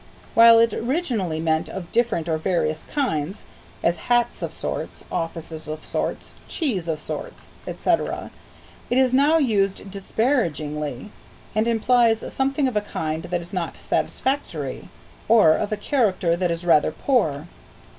While it originally meant "of different or various kinds," as hats of sorts; offices of sorts; cheeses of sorts, etc., it is now used disparagingly, and implies something of a kind that is not satisfactory, or of a character that is rather poor.